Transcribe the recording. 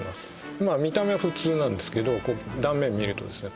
まあ見た目は普通なんですけど断面見るとですね